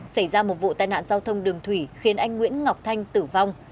có vụ tai nạn giao thông đường thủy khiến anh nguyễn ngọc thanh tử vong